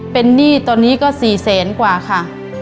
เป็นหนี้ตอนนี้ก็๔แสนกว่าค่ะ